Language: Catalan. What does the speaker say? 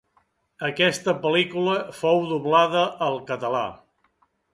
Aquesta pel·lícula fou doblada al català.